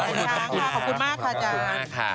ขอบคุณค่ะขอบคุณมากค่ะอาจารย์